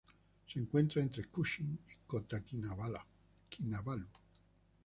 Se encuentra entre Kuching y Kota Kinabalu.